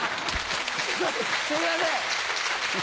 すいません。